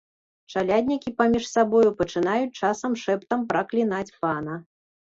Чаляднікі паміж сабою пачынаюць часам шэптам праклінаць пана.